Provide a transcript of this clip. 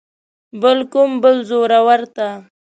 بل کوم بل زورور ته.